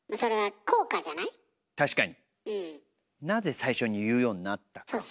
なぜ最初に言うようになったか。